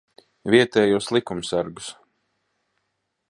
Vietējos likumsargus.